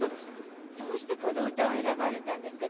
どうしてこの歌を選ばれたんですか？